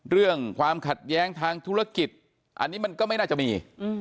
เรื่องความขัดแย้งทางธุรกิจอันนี้มันก็ไม่น่าจะมี